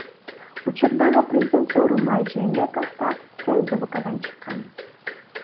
Учурдагы президент Сооронбай Жээнбеков да КСДПдан чыккан.